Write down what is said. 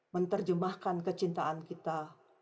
menerjemahkan kecintaan kita